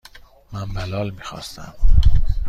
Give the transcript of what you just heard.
من بلال میخواستم.